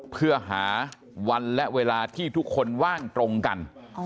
เพื่อหาวันและเวลาที่ทุกคนว่างตรงกัน